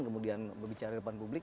kemudian berbicara depan publik